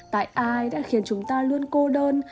tại ai đã khiến chúng ta luôn cô đơn